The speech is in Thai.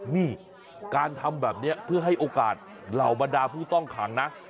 นี่การทำแบบนี้เพื่อให้โอกาสเหล่าบรรดาผู้ต้องขังนะ